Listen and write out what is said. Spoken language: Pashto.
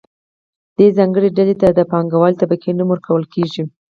دې ځانګړې ډلې ته د پانګوالې طبقې نوم ورکول کیږي.